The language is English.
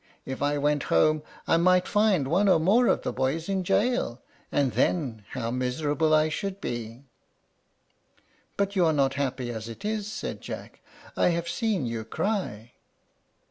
If I went home I might find one or more of those boys in jail, and then how miserable I should be." "But you are not happy as it is," said Jack. "I have seen you cry."